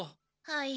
はい。